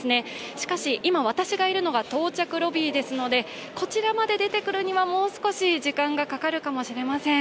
しかし、今私がいるのは到着ロビーですので、こちらまで出てくるにはもう少し時間がかかるかもしれません。